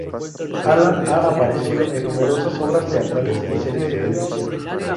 Alan ha aparecido en numerosas obras teatrales y series de televisión.